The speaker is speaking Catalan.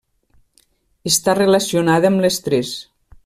Està relacionada amb l'estrès.